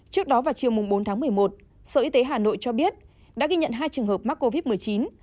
trước đó vào chiều bốn tháng một mươi một sở y tế hà nội cho biết đã ghi nhận hai trường hợp mắc covid một mươi chín